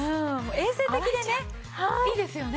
衛生的でねいいですよね。